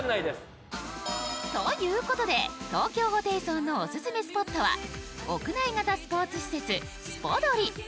ということで、東京ホテイソンのオススメスポットは屋内型スポーツ施設スポドリ！